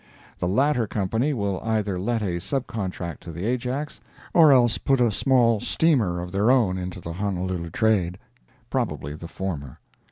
The latter company will either let a sub contract to the Ajax, or else put a small steamer of their own into the Honolulu trade—probably the former.